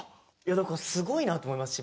だからすごいなと思いますし。